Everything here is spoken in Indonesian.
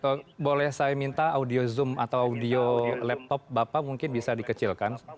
oke boleh saya minta audio zoom atau audio laptop bapak mungkin bisa dikecilkan